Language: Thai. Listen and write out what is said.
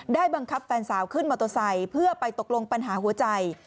บังคับแฟนสาวขึ้นมอเตอร์ไซค์เพื่อไปตกลงปัญหาหัวใจ